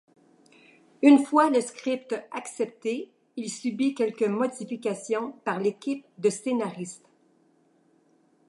Une fois le script accepté, il subit quelques modifications par l'équipe de scénaristes.